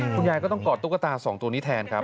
คุณยายก็ต้องกอดตุ๊กตา๒ตัวนี้แทนครับ